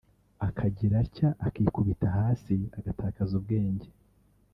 akagira atya akikubita hasi agatakaza ubwenge